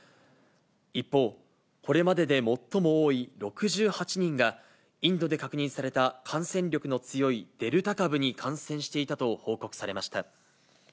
一方、これまでで最も多い６８人が、インドで確認された感染力の強いデルタ株に感染していたと報告されました。